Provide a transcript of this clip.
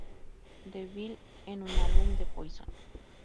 DeVille en un álbum de Poison.